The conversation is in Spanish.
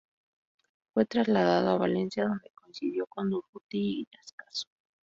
Fue trasladado a Valencia donde coincidió con Durruti y Ascaso.